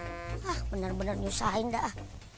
ah bener bener nyusahin dah